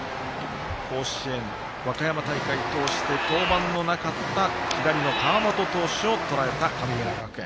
甲子園、和歌山大会通して登板のなかった左の川本投手をとらえた神村学園。